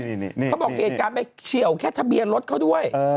เขาบอกเหตุการณ์ไปเฉียวแค่ทะเบียนรถเขาด้วย